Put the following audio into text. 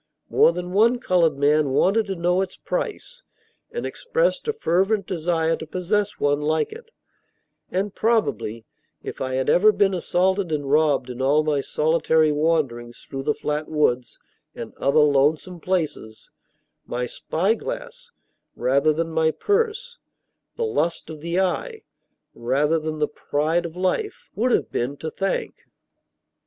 More than one colored man wanted to know its price, and expressed a fervent desire to possess one like it; and probably, if I had ever been assaulted and robbed in all my solitary wanderings through the flat woods and other lonesome places, my "spyglass" rather than my purse the "lust of the eye" rather than the "pride of life" would have been to thank.